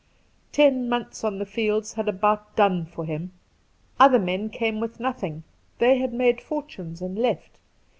Ten months on the fields had about done for him. Other men came with nothing ; they had made fortunes and left.